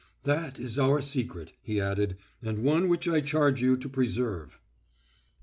"That is our secret," he added, "and one which I charge you to preserve." No.